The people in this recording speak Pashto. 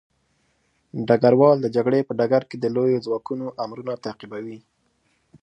ډګروال د جګړې په ډګر کې د لويو ځواکونو امرونه تعقیبوي.